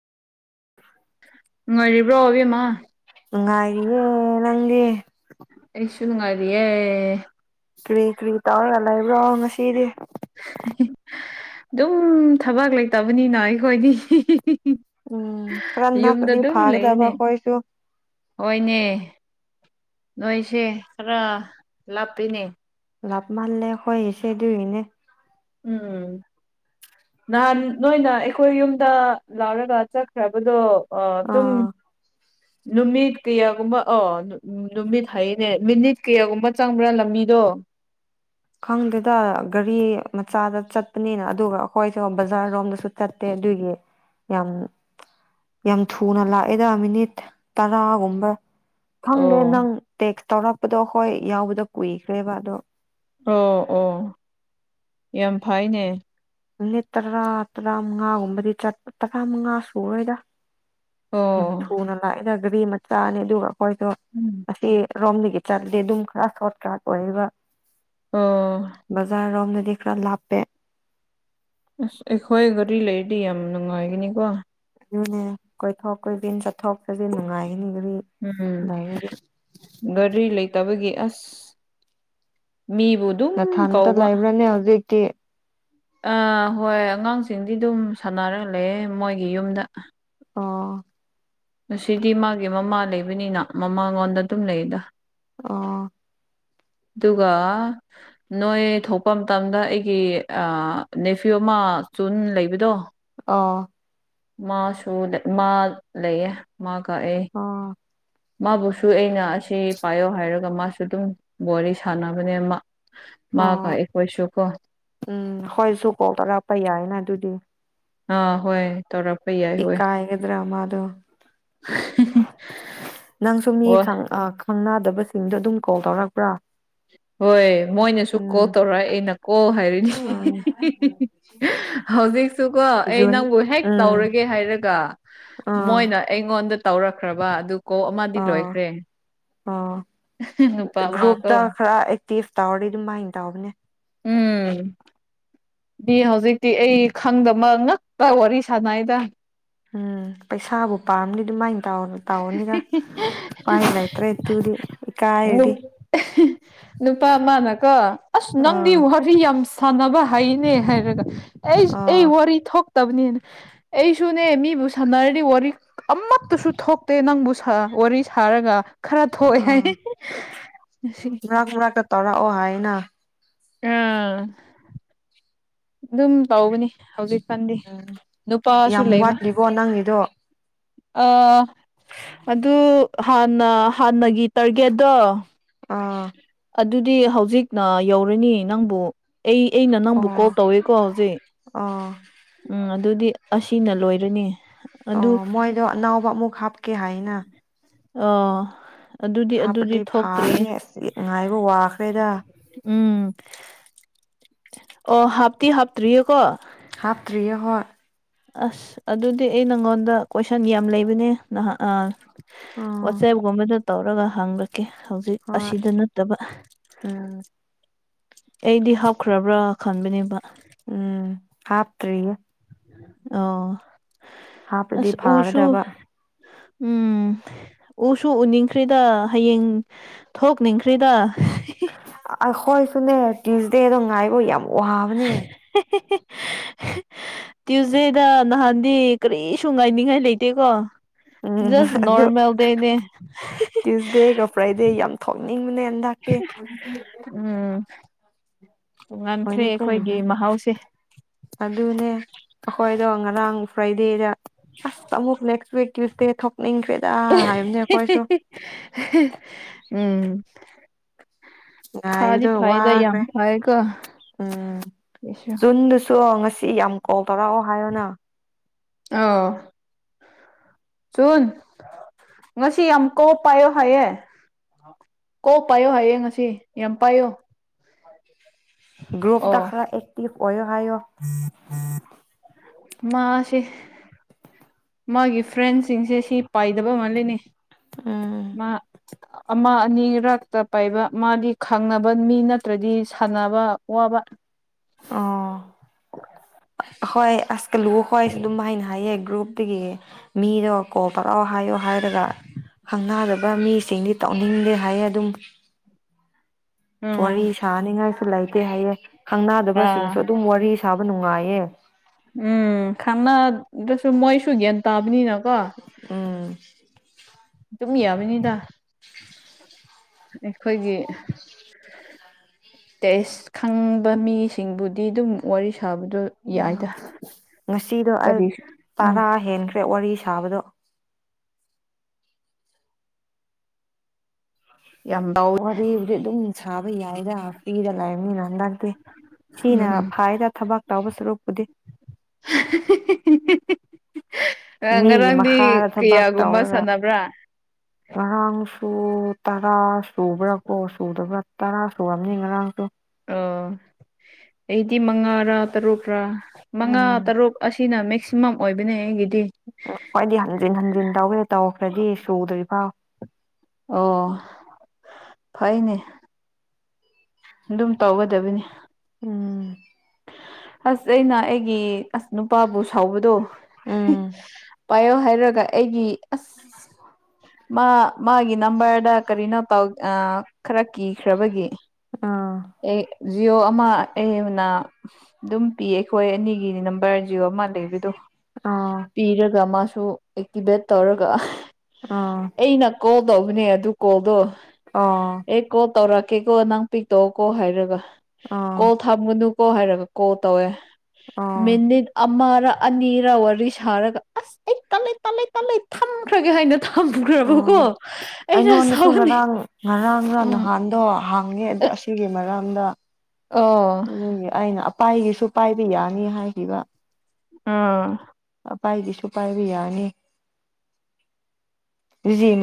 ꯅꯨꯡꯉꯥꯏꯔꯤꯕ꯭ꯔꯣ ꯑꯕꯦꯝꯃ ꯅꯨꯡꯉꯥꯏꯔꯤꯌꯦ ꯅꯪꯗꯤ ꯁꯨ ꯅꯨꯡꯉꯥꯢꯔꯤꯌꯦ ꯀ꯭ꯔꯤ ꯀ꯭ꯔꯤ ꯇꯧꯔꯒ ꯂꯩꯕ꯭ꯔꯣ ꯉꯁꯤꯗꯤ ꯍꯦꯍꯦ ꯑꯗꯨꯝ ꯊꯕꯥꯛ ꯂꯩꯇꯕꯅꯤꯅ ꯑꯩꯈꯣꯏꯗꯤ ꯍꯤꯍꯤ ꯎꯝ ꯈꯔ ꯅꯛꯑꯗꯤ ꯑꯗꯨꯝ ꯐꯒꯗꯕ ꯂꯩꯅꯦ ꯑꯩꯀꯣꯏꯁꯨ ꯍꯣꯏꯅꯦ ꯅꯣꯏꯁꯦ ꯈꯔ ꯂꯥꯞꯄꯤꯅꯦ ꯂꯥꯞꯃꯟꯂꯦ ꯑꯩꯈꯣꯏꯒꯤꯁꯦ ꯑꯗꯨꯒꯤꯅꯦ ꯎꯝ ꯅꯍꯥꯟ ꯅꯣꯏꯅ ꯑꯩꯈꯣꯏ ꯌꯨꯝꯗ ꯂꯥꯛꯔꯒ ꯆꯠꯈ꯭ꯔꯕꯗꯣ ꯑꯣ ꯑꯗꯨꯝ ꯑꯥ ꯅꯨꯃꯤꯠ ꯀꯌꯥꯒꯨꯝꯕ ꯑꯣ ꯅꯨꯃꯤꯠ ꯍꯥꯏꯅꯦ ꯃꯤꯅꯤꯠ ꯀꯌꯥꯒꯨꯝꯕ ꯆꯪꯕ꯭ꯔꯥ ꯂꯝꯕꯤꯗꯣ ꯌꯣ ꯈꯪꯗꯦꯗ ꯒꯥꯔꯤ ꯃꯆꯥꯗ ꯆꯠꯄꯅꯤꯅ ꯑꯗꯨꯒ ꯑꯩꯈꯣꯏꯁꯨ ꯕꯖꯥꯔꯣꯝꯗꯁꯨ ꯆꯠꯇꯦ ꯑꯗꯨꯒꯤ ꯌꯥꯝ ꯌꯥꯝ ꯊꯨꯅ ꯂꯥꯛꯑꯦꯗ ꯃꯤꯅꯤꯠ ꯇꯔꯥꯒꯨꯝꯕ ꯈꯪꯗꯦ ꯑꯣ ꯅꯪ ꯇꯦꯛꯁ ꯇꯧꯔꯛꯄꯗꯣ ꯍꯣꯏ ꯌꯥꯎꯕꯗꯣ ꯀꯨꯏꯈ꯭ꯔꯦꯕ ꯑꯗꯣ ꯑꯣ ꯑꯣ ꯌꯥꯝ ꯐꯩꯅꯦ ꯃꯤꯅꯠ ꯇꯔꯥ ꯇꯔꯥꯃꯉꯥꯒꯨꯝꯕꯗꯤꯄ ꯆꯠ ꯇꯔꯥ ꯃꯉꯥ ꯁꯨꯔꯣꯏꯗ ꯌꯥꯝ ꯑꯣ ꯊꯨꯅ ꯂꯥꯛꯏꯅ ꯒꯥꯔꯤ ꯃꯆꯥꯅꯤ ꯑꯗꯨꯒ ꯑꯩꯈꯣꯏꯗꯣ ꯎꯝ ꯑꯁꯤ ꯔꯣꯝꯗꯒꯤ ꯆꯠꯂꯤꯦ ꯑꯗꯨꯝ ꯈꯔ ꯁꯣꯔꯠ ꯀꯥꯠ ꯑꯣꯏꯕ ꯑꯣ ꯕꯖꯥꯔ ꯔꯣꯝ ꯈꯔ ꯂꯥꯞꯄꯦ ꯑꯁ ꯑꯈꯣꯏ ꯒꯥꯔꯤ ꯂꯩꯔꯗꯤ ꯌꯥꯝ ꯅꯨꯡꯉꯥꯏꯒꯅꯤꯀꯣ ꯑꯗꯨꯅꯦ ꯀꯣꯏꯊꯣꯛ ꯀꯣꯏꯁꯤꯟ ꯆꯠꯊꯣꯛ ꯆꯠꯁꯤ ꯅꯨꯡꯉꯥꯏ ꯎꯝ ꯒꯥꯔꯤ ꯂꯩꯇꯕꯒꯤ ꯑꯁ ꯃꯤꯕꯨ ꯑꯗꯨꯝ ꯅꯊꯥꯟꯇ ꯀꯧꯕ ꯂꯩꯕ꯭ꯔꯥꯅꯦ ꯍꯧꯖꯤꯛꯇꯤ ꯑꯥ ꯍꯣꯏ ꯑꯉꯥꯡꯁꯤꯡꯗꯤ ꯑꯗꯨꯝ ꯁꯥꯟꯅꯔꯒ ꯂꯩꯌꯦ ꯃꯣꯏꯒꯤ ꯌꯨꯝꯗ ꯑꯣ ꯉꯁꯤꯗꯤ ꯃꯥꯒꯤ ꯃꯃꯥ ꯂꯩꯕꯅꯤꯅ ꯃꯃꯥꯉꯣꯟꯗ ꯑꯗꯨꯝ ꯂꯩꯗ ꯑꯣ [inaudible] ꯑꯗꯨꯒ ꯅꯣꯏ ꯊꯣꯛꯄ ꯃꯇꯝꯗ ꯑꯩꯒꯤ ꯅꯦꯐꯤꯌꯨꯃ ꯆꯨꯟ ꯂꯩꯕꯗꯣ ꯑꯥ ꯃꯥꯁꯨ ꯃꯥ ꯂꯩꯑꯦ ꯃꯥ ꯀꯛꯑꯦ ꯑꯣ ꯃꯥꯕꯨꯁꯨ ꯑꯩꯅ ꯑꯁꯤ ꯄꯥꯏꯌꯣ ꯍꯥꯏꯔꯒ ꯃꯥꯁꯨ ꯑꯗꯨꯝ ꯋꯥꯔꯤ ꯁꯥꯟꯅꯕꯅꯦ ꯃꯥꯒ ꯑꯣ ꯑꯈꯣꯏꯁꯨꯀꯣ ꯎꯝ ꯈꯣꯏꯁꯨ ꯀꯣꯜ ꯇꯧꯔꯛꯄ ꯌꯥꯏꯅ ꯑꯗꯨꯗꯤ ꯑꯥ ꯍꯣꯏ ꯇꯧꯔꯄꯩ ꯌꯥꯏ ꯍꯣꯏ ꯅꯪꯁꯨꯨ ꯃꯤ ꯍꯣꯏ ꯈꯪꯅꯗꯕꯁꯤꯡꯗꯣ ꯑꯗꯨꯝ ꯀꯣꯜ ꯇꯧꯔꯛꯄ꯭ꯔꯥ ꯍꯣꯏ ꯃꯣꯏꯅꯁꯨ ꯀꯣꯜ ꯎꯝ ꯇꯧꯔꯑꯦ ꯑꯩꯅ ꯀꯣ ꯍꯥꯏꯔꯅꯤ ꯎꯝ ꯍꯧꯖꯤꯛꯁꯨꯀꯣ ꯑꯩ ꯖꯨꯟ ꯅꯪꯕꯨ ꯍꯦꯛ ꯎꯝ ꯇꯧꯔꯒꯦ ꯍꯥꯏꯔꯒ ꯑꯥ ꯃꯣꯏꯅ ꯑꯩꯉꯣꯟꯗ ꯇꯧꯔꯛꯈ꯭ꯔꯕ ꯑꯗꯨ ꯀꯣ ꯑꯃꯗꯤ ꯑꯥ ꯂꯣꯏꯈ꯭ꯔꯦ ꯑꯣ ꯅꯨꯄꯥ ꯑꯃ ꯀꯣ ꯒ꯭ꯔꯨꯞꯇ ꯈꯔ ꯑꯦꯛꯇꯤꯞ ꯇꯧꯔꯤ ꯑꯗꯨꯝꯃꯥꯏꯅ ꯇꯧꯕꯅꯦ ꯎꯝ ꯃꯤ ꯍꯧꯖꯤꯛꯇꯤ ꯑꯩ ꯈꯪꯗꯕ ꯉꯛꯇ ꯋꯥꯔꯤ ꯁꯥꯟꯅꯩꯗ ꯎꯝ ꯄꯩꯁꯥꯕꯨ ꯄꯥꯝꯂꯗꯤ ꯗꯨꯃꯥꯏꯅ ꯇꯥꯎꯟ ꯇꯥꯎꯟꯅꯤꯗ ꯎꯄꯥꯏ ꯂꯩꯇ꯭ꯔꯦ ꯇꯨꯗꯤ ꯏꯀꯥꯏꯔꯗꯤ ꯅꯨꯞ ꯅꯨꯄꯥ ꯃꯥꯅꯀꯣ ꯑꯁ ꯅꯪꯗꯤ ꯑꯥ ꯋꯥꯔꯤ ꯌꯥꯝ ꯁꯥꯟꯅꯕ ꯍꯥꯏꯅꯦ ꯍꯥꯏꯔꯒ ꯑꯩ ꯑꯩ ꯑꯥ ꯋꯥꯔꯤ ꯇꯕꯅꯤꯅ ꯑꯩꯁꯨꯅꯦ ꯃꯤꯕꯨ ꯁꯥꯟꯅꯔꯗꯤ ꯋꯥꯔꯤ ꯑꯃꯠꯇꯁꯨ ꯊꯣꯛꯇꯦ ꯅꯪꯕꯨ ꯋꯥꯔꯤ ꯁꯥꯔꯒ ꯈꯔ ꯊꯣꯛꯑꯦ ꯍꯥꯏ ꯉꯁꯤ ꯃꯔꯥꯛ ꯃꯔꯥꯛꯇ ꯇꯧꯔꯛꯑꯣ ꯍꯥꯏꯅ ꯑꯥ ꯑꯗꯨꯝ ꯇꯧꯕꯅꯤ ꯍꯧꯖꯤꯛ ꯈꯟꯗꯤ ꯎꯝ ꯅꯨꯄꯥꯁꯨ ꯌꯥꯝ ꯂꯩꯕ ꯋꯥꯠꯂꯤꯕꯣ ꯅꯪꯒꯤꯗꯣ ꯑꯥ ꯑꯗꯨ ꯍꯥꯟꯅ ꯍꯥꯟꯅꯒꯤ ꯇꯥꯔꯒꯦꯠꯇꯣ ꯑꯥ ꯑꯗꯨꯗꯤ ꯍꯧꯖꯤꯛꯅ ꯌꯧꯔꯅꯤ ꯅꯪꯕꯨ ꯑꯩ ꯑꯩꯅ ꯑꯣ ꯅꯪꯕꯨ ꯀꯣꯜ ꯇꯧꯋꯦꯀꯣ ꯍꯧꯖꯤꯛ ꯑꯣ ꯎꯝ ꯑꯗꯨꯗꯤ ꯑꯁꯤꯅ ꯂꯣꯏꯔꯅꯤ ꯑꯗꯨ ꯑꯣ ꯃꯣꯏꯗꯣ ꯑꯅꯧꯕ ꯑꯃꯨꯛ ꯍꯥꯞꯀꯦ ꯍꯥꯏꯅ ꯑꯣ ꯑꯗꯨꯗꯤ ꯑꯗꯨꯗꯤ ꯍꯥꯞꯄꯗꯤ ꯊꯣꯛꯇ꯭ꯔꯤ ꯐꯥꯒꯅꯤ ꯑꯁ ꯉꯥꯏꯕ ꯋꯥꯈ꯭ꯔꯦꯗ ꯎꯝ ꯑꯣ ꯍꯥꯞꯇꯤ ꯍꯥꯞꯇ꯭ꯔꯤꯌꯦꯀꯣ ꯍꯥꯞꯇ꯭ꯔꯤꯌꯦ ꯍꯣꯏ ꯑꯁ ꯑꯗꯨꯗꯤ ꯑꯩ ꯅꯪꯉꯣꯟꯗ ꯀꯣꯏꯁꯟ ꯌꯥꯝ ꯂꯩꯕꯅꯦ ꯅꯍꯥꯛ ꯎꯝ ꯋꯥꯆꯦꯞ ꯑꯗꯨꯒꯨꯝꯕꯗ ꯇꯧꯔꯒ ꯍꯪꯂꯛꯀꯦ ꯍꯧꯖꯤꯛ ꯍꯣꯏ ꯑꯁꯤꯗ ꯅꯠꯇꯕ ꯎꯝ ꯑꯩꯗꯤ ꯍꯥꯞꯈ꯭ꯔꯕ꯭ꯔꯥ ꯈꯟꯕꯅꯦꯕ ꯎꯝ ꯍꯥꯞꯇ꯭ꯔꯤ ꯑꯧ ꯍꯥꯞꯄꯗꯤ ꯑꯁ ꯎꯔꯁꯨ ꯐꯥꯒꯗꯕ ꯎꯝ ꯎꯁꯨ ꯎꯅꯤꯡꯈ꯭ꯔꯦꯗ ꯍꯌꯦꯡ ꯊꯣꯛꯅꯤꯡꯈ꯭ꯔꯤꯗ ꯈꯣꯢꯁꯨꯅꯦ ꯇ꯭ꯌꯨꯁꯗꯦꯗꯣ ꯉꯥꯏꯕ ꯌꯥꯝ ꯋꯥꯕꯅꯦ ꯇ꯭ꯌꯨꯁꯗꯦꯗ ꯅꯍꯥꯟꯗꯤ ꯀꯔꯤꯁꯨ ꯉꯥꯏꯅꯤꯡꯉꯥꯏ ꯂꯩꯇꯦꯀꯣ ꯎꯝ ꯖꯁ ꯑꯗꯣ ꯅꯣꯔꯃꯦꯜ ꯗꯦꯅꯦ ꯇ꯭ꯌꯨꯁꯗꯦꯒ ꯐ꯭ꯔꯥꯏꯗꯦ ꯌꯥꯝ ꯊꯣꯛꯅꯤꯡꯕꯅꯦ ꯍꯦꯟꯗꯥꯛꯇꯦ ꯎꯝ [unintelligible] ꯇꯣꯉꯥꯟꯈ꯭ꯔꯦ ꯑꯩꯈꯣꯏꯒꯤ ꯃꯍꯥꯎꯁꯦ ꯑꯗꯨꯅꯦ ꯑꯈꯣꯏꯗꯣ ꯉꯔꯥꯡ ꯐ꯭ꯔꯥꯏꯗꯦꯗ ꯑꯁ ꯑꯃꯨꯛ ꯅꯦꯛꯁ ꯋꯤꯛ ꯇ꯭ꯋꯨꯁꯗꯦ ꯈꯝ ꯅꯤꯡꯈ꯭ꯔꯦꯗ ꯍꯥꯏꯕꯅꯦ ꯑꯈꯣꯏꯁꯨ ꯎꯝ ꯐꯗꯤ ꯉꯥꯏꯕꯗ ꯐꯩꯗ ꯌꯥꯝ ꯋꯥꯈ꯭ꯔꯦ ꯐꯩꯀꯣ ꯎꯝ ꯁꯨ ꯖꯨꯟꯗꯨꯁꯨ ꯉꯁꯤ ꯌꯥꯝ ꯀꯣꯜ ꯇꯧꯔꯛꯑꯣ ꯍꯥꯏꯌꯣꯅ ꯑꯧ ꯖꯨꯟ ꯉꯁꯤ ꯌꯥꯝ ꯀꯣꯜ ꯄꯥꯏꯌꯣ ꯍꯥꯏꯌꯦ ꯀꯣ ꯄꯥꯏꯌꯣ ꯍꯥꯏꯌꯦ ꯉꯁꯤ ꯌꯥꯝ ꯄꯥꯏꯌꯣ ꯒ꯭ꯔꯨꯐꯇ ꯑꯣ ꯈꯔ ꯑꯦꯛꯇꯤꯚ ꯑꯣꯏꯌꯣ ꯍꯥꯏꯌꯣ ꯃꯥꯁꯦ ꯃꯥꯒꯤ ꯐ꯭ꯔꯦꯟꯁꯤꯡꯁꯦ ꯁꯤ ꯄꯥꯏꯗꯕ ꯃꯥꯜꯂꯦꯅꯦ ꯎꯝ ꯑꯃ ꯑꯅꯤꯔꯛꯇ ꯄꯥꯏꯕ ꯃꯥꯗꯤ ꯈꯪꯅꯕ ꯃꯤ ꯅꯠꯇ꯭ꯔꯗꯤ ꯁꯥꯟꯅꯕ ꯋꯕ ꯑꯣ ꯍꯣꯏ ꯑꯁ ꯀꯂꯨ ꯍꯣꯏꯁꯨ ꯑꯗꯨꯝꯃꯥꯏꯅ ꯍꯥꯏꯌꯦ ꯒ꯭ꯔꯨꯞꯇꯒꯤ ꯃꯤꯗꯣ ꯀꯣꯜ ꯇꯧꯔꯛꯑꯣ ꯍꯥꯏꯌꯣ ꯍꯥꯏꯔꯒ ꯈꯪꯅꯗꯕ ꯃꯤꯁꯤꯡꯗꯤ ꯇꯧꯅꯤꯡꯗꯦ ꯍꯥꯏꯌꯦ ꯑꯗꯨꯝ ꯋꯥꯔꯤ ꯎꯝ ꯁꯥꯅꯤꯡꯉꯥꯏꯁꯨ ꯂꯩꯇꯦ ꯍꯥꯏꯌꯦ ꯈꯪꯅꯗꯕꯁꯤꯡꯁꯨ ꯑꯥ ꯑꯗꯨꯝ ꯋꯥꯔꯤ ꯁꯥꯕ ꯅꯨꯡꯉꯥꯏꯌꯦ ꯎꯝ ꯈꯪꯅꯗꯁꯨ ꯃꯣꯏꯁꯨ ꯒ꯭ꯌꯥꯟ ꯇꯥꯕꯅꯤꯅ ꯀꯣ [inaudible] ꯗꯨꯝ ꯌꯦꯝꯃꯤꯅꯤꯗ ꯑꯩꯈꯣꯏꯒꯤ ꯇꯦꯁ ꯈꯪꯕ ꯃꯤꯁꯤꯡꯕꯨꯗꯤ ꯑꯗꯨꯝ ꯋꯥꯔꯤ ꯁꯥꯕꯗꯣ ꯎꯝ ꯌꯥꯏꯗ ꯉꯁꯤꯗꯣ ꯑꯩ ꯀꯔꯤꯁꯨ ꯎꯝ ꯇꯔꯥ ꯍꯦꯟꯈ꯭ꯔꯦ ꯋꯥꯔꯤ ꯁꯥꯕꯗꯣ ꯌꯥꯝ ꯂꯥꯎꯋꯤ ꯋꯥꯔꯤꯕꯨꯗꯤ ꯑꯗꯨꯝ ꯁꯥꯕ ꯌꯥꯏꯗ ꯐ꯭ꯔꯤꯗ ꯂꯩꯥꯕꯅꯤꯅ ꯍꯟꯗꯛꯇꯤ ꯎꯝ ꯁꯤꯅ ꯎꯝ ꯐꯥꯏꯗ ꯊꯕꯥꯛ ꯇꯥꯎꯕ ꯁꯔꯨꯛꯄꯨꯗꯤ [unintelligible] ꯃꯤꯒꯤ ꯉꯔꯥꯡꯗꯤ ꯃꯈꯥꯗ ꯊꯕꯥꯛ ꯀꯌꯥꯒꯨꯝꯕ ꯇꯧꯔꯒ ꯁꯥꯟꯅꯕ꯭ꯔꯥ ꯉꯔꯥꯡ ꯁꯨ ꯇꯔꯥ ꯁꯨꯕ꯭ꯔꯥ ꯀꯣ ꯁꯨꯗꯕ꯭ꯔꯥ ꯇꯔꯥ ꯁꯨꯨꯔꯝꯅꯤ ꯉꯔꯥꯡꯗꯨ ꯑꯣ ꯑꯩꯗꯤ ꯃꯉꯥꯔꯥ ꯇꯔꯨꯛꯔꯥ ꯃꯉꯥ ꯎꯝ ꯇꯔꯨꯛ ꯑꯁꯤꯅ ꯃꯦꯛꯁꯤꯃꯝ ꯑꯣꯏꯕꯅꯦ ꯑꯩꯒꯤ ꯑꯈꯣꯏꯗꯤ ꯍꯟꯖꯤꯟ ꯍꯟꯖꯤꯟ ꯇꯧꯋꯦ ꯇꯧꯈ꯭ꯔꯗꯤ ꯁꯨꯗ꯭ꯔꯤꯐꯥꯎ ꯑꯣ ꯐꯩꯅꯦ ꯑꯗꯨꯝ ꯇꯧꯒꯗꯕꯅꯤ ꯎꯝ ꯑꯁ ꯑꯩꯅ ꯑꯩꯒꯤ ꯑꯁ ꯅꯨꯄꯥꯕꯨ ꯁꯥꯎꯕꯗꯣ ꯎꯝ ꯄꯥꯏꯌꯣ ꯍꯥꯏꯔꯒ ꯑꯩꯒꯤ ꯑꯁ ꯃꯥ ꯃꯥꯒꯤ ꯅꯝꯕꯔꯗ ꯀꯔꯤꯅꯣ ꯇꯧ ꯑ ꯈꯔ ꯀꯤꯈ꯭ꯔꯕꯒꯤ ꯑꯥ ꯑꯦ ꯖꯤꯌꯣ ꯑꯃ ꯑꯩꯅ ꯗꯨꯝ ꯄꯤꯌꯦ ꯈꯣꯏ ꯑꯅꯤ ꯒꯤ ꯅꯝꯕꯔ ꯖꯤꯌꯣ ꯑꯃ ꯂꯩꯕꯗꯣ ꯑꯥ ꯄꯤꯔꯒ ꯃꯥ ꯁꯨ ꯑꯦꯛꯇꯤꯚꯦꯠ ꯇꯧꯔꯒ ꯑꯥ ꯑꯩꯅ ꯀꯣꯜ ꯇꯧꯕꯅꯦ ꯑꯗꯨ ꯀꯣꯜꯗꯣ ꯑꯣ ꯑꯦ ꯀꯣꯜ ꯇꯧꯔꯛꯀꯦꯀꯣ ꯅꯪ ꯄꯤꯛꯇꯧꯀꯣ ꯍꯥꯏꯔꯒ ꯑꯥ ꯀꯣꯜ ꯊꯝꯒꯅꯨ ꯀꯣ ꯍꯥꯏꯔꯒ ꯀꯣꯜ ꯇꯧꯋꯦ ꯑꯣ ꯃꯤꯅꯤꯠ ꯑꯃ ꯔ ꯑꯅꯤꯔ ꯋꯥꯔꯤ ꯁꯥꯔꯒ ꯑꯁ ꯑꯩ ꯇꯜꯂꯦ ꯇꯜꯂꯦ ꯇꯜꯂꯦ ꯊꯝꯈ꯭ꯔꯒꯦ ꯍꯥꯏꯅ ꯊꯝꯈ꯭ꯔꯕꯀꯣ ꯑꯣ ꯑꯩꯅ ꯑꯩꯉꯣꯟꯗꯁꯨ ꯁꯥꯎꯅꯤꯡ ꯉꯔꯥꯡ ꯉꯔꯥꯡꯒ ꯎꯝ ꯅꯍꯥꯟꯗꯣ ꯍꯥꯡꯉꯦ ꯑꯗ ꯑꯁꯤꯒꯤ ꯃꯔꯝꯗ ꯑꯣ ꯑꯗꯨꯒꯤ ꯑꯩꯅ ꯑꯄꯥꯏꯒꯤ ꯗꯨ ꯄꯥꯏꯕꯤ ꯌꯥꯅꯤ ꯍꯥꯏꯈꯤꯕ ꯑꯥ ꯄꯥꯏꯗꯤꯁꯨ ꯄꯥꯏꯕ ꯌꯥꯅꯤ ꯑꯗꯨ